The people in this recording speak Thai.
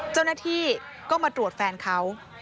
เจ้าหน้าที่ก็มาตรวจแฟนเขา